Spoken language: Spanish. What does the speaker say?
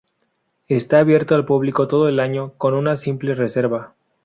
Está abierto al público todo el año con una simple reserva.